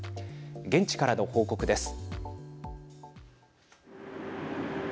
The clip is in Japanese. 現地からの報告です。